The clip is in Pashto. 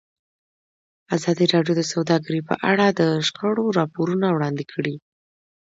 ازادي راډیو د سوداګري په اړه د شخړو راپورونه وړاندې کړي.